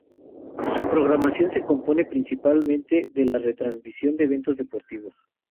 Su programación se compone principalmente de la retransmisión de eventos deportivos.